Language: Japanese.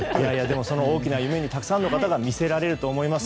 大きな夢にたくさんの方が魅せられると思います。